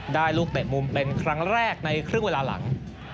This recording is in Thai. ลูกเตะมุมเป็นครั้งแรกในครึ่งเวลาหลัง